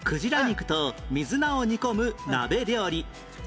肉と水菜を煮込む鍋料理